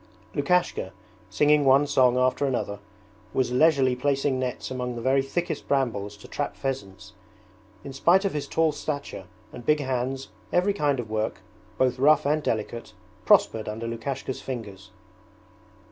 Lukashka, singing one song after another, was leisurely placing nets among the very thickest brambles to trap pheasants. In spite of his tall stature and big hands every kind of work, both rough and delicate, prospered under Lukashka's fingers.